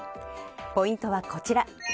ポイントはこちら。